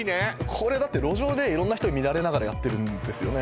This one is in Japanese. これだって路上で色んな人に見られながらやってるんですよね